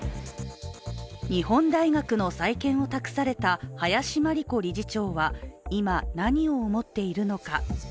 日本大学の再建を託された林真理子理事長は今、何を思っているのか。